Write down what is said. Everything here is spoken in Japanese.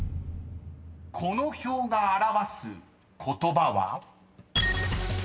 ［この表が表す言葉は？］